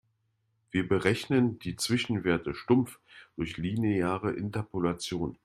Wir berechnen die Zwischenwerte stumpf durch lineare Interpolation.